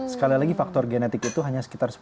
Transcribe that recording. sekali lagi faktor genetik itu hanya sekitar